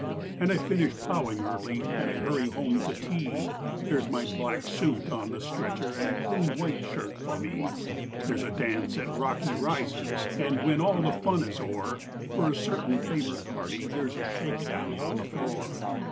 And I finish ploughing early, And I hurry home to tea There's my black suit on the stretcher, And a clean white shirt for me ; There's a dance at Rocky Rises, And, when they can dance no more, For a certain favoured party There's a shakedown on the floor.